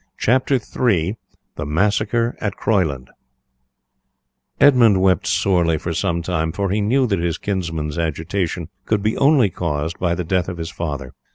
CHAPTER III: THE MASSACRE AT CROYLAND Edmund wept sorely for some time, for he knew that his kinsman's agitation could be only caused by the death of his father.